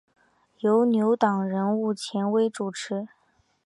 由牛党人物钱徽主持。